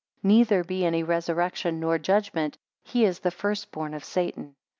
neither be any resurrection, nor judgment, he is the first born of Satan.